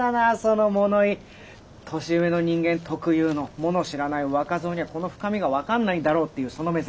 年上の人間特有の物を知らない若造にはこの深みが分かんないんだろうっていうその目線。